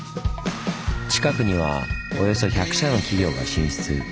近くにはおよそ１００社の企業が進出。